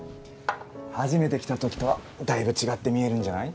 初めて来たときとはだいぶ違って見えるんじゃない？